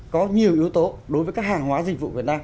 có nhiều yếu tố đối với các hàng hóa dịch vụ việt nam